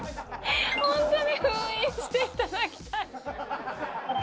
本当に、封印していただきたい。